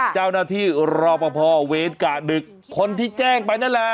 เจ้านาทีรอบพอเวทกะดึกคนที่แจ้งไปนั่นแหละ